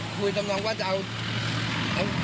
คุยกับน้องว่าจะเอาเด็กของเขากวาดเข้าจังหลุด